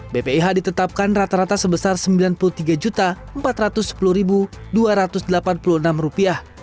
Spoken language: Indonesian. bpih ditetapkan rata rata sebesar rp sembilan puluh tiga empat ratus sepuluh dua ratus delapan puluh enam